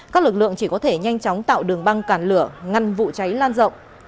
các lực lượng chỉ có thể nhanh chóng tạo đường băng cản lửa ngăn vụ cháy lan rộng